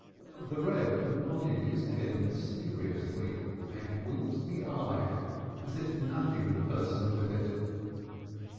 The Reb nodded his head mysteriously and winked the eye, as if nudging the person in it.